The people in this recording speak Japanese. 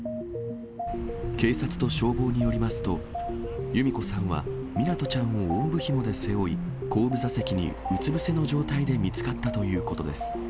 警察と消防によりますと、由美子さんは湊ちゃんをおんぶひもで背負い、後部座席にうつ伏せの状態で見つかったということです。